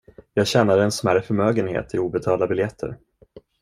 Jag tjänade en smärre förmögenhet i obetalda biljetter.